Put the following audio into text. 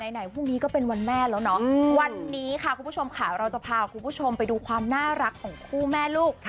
ไหนพรุ่งนี้ก็เป็นวันแม่แล้วเนาะวันนี้ค่ะคุณผู้ชมค่ะเราจะพาคุณผู้ชมไปดูความน่ารักของคู่แม่ลูก